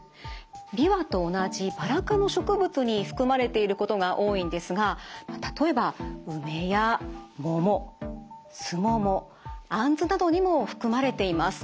ビワと同じバラ科の植物に含まれていることが多いんですが例えばウメやモモスモモアンズなどにも含まれています。